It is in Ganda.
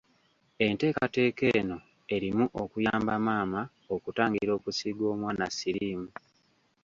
Enteekateeka eno erimu okuyamba maama okutangira okusiiga omwana siriimu.